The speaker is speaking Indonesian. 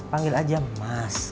panggil aja mas